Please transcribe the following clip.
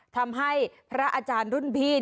ทำให้พระอาจารย์รุ่นพี่